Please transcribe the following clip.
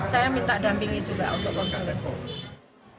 saya minta dampingi juga untuk konsumber